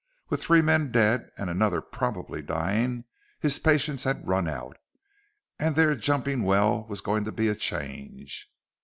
With three men dead and another probably dying, his patience had run out, and there jumping well was going to be a change....